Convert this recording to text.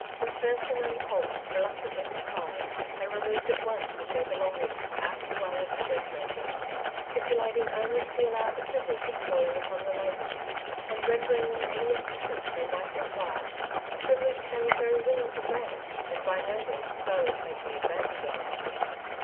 Macpherson and Holt reluctantly complied, and removed at once, with their belongings, out of the way of the dress making, stipulating only to be allowed the privilege of calling upon the ladies, and rendering them any assistance they might require — a privilege they were very willing to grant, and by no means slow in taking advantage of.